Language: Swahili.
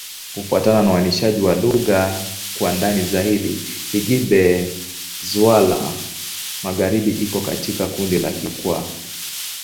Kufuatana na uainishaji wa lugha kwa ndani zaidi, Kigbe-Xwla-Magharibi iko katika kundi la Kikwa.